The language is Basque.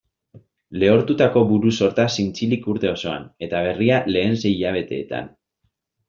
Lehortutako buru-sorta zintzilik urte osoan, eta berria lehen sei hilabeteetan.